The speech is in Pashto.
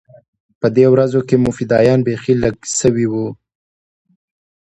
په دې ورځو کښې مو فدايان بيخي لږ سوي وو.